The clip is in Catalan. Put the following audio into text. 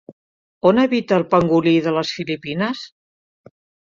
On habita el pangolí de les Filipines?